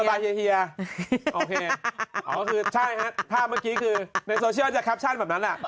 บายเฮียโอเคอ๋อก็คือใช่ฮะภาพเมื่อกี้คือในโซเชียลจะแคปชั่นแบบนั้นแหละ